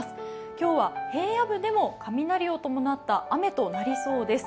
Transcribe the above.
今日は平野部でも雷を伴った雨となりそうです。